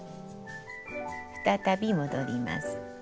再び戻ります。